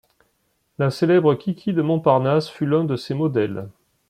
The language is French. La célèbre Kiki de Montparnasse fut l’un de ses modèles.